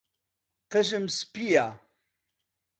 قژم سپییە.